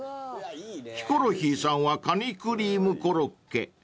［ヒコロヒーさんはカニクリームコロッケ］